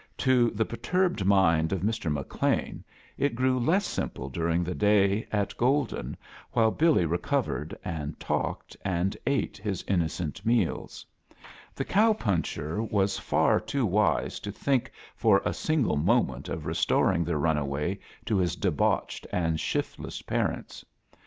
To the perturbed mind of Mr. HcLean it grew less simple during that day at Golden, while Billy recovered, and talked, and ate his innocent meals. The cow puncher A JOURNEY m SEARCH OF CHRISTMAS was far too wise to think for a single mo ment of restoring the runaway to his de baoched and shiftless parents.